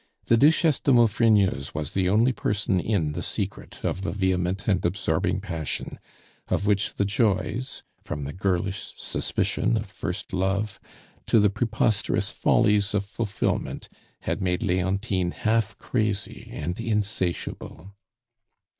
The Duchesse de Maufrigneuse was the only person in the secret of the vehement and absorbing passion, of which the joys, from the girlish suspicion of first love to the preposterous follies of fulfilment, had made Leontine half crazy and insatiable.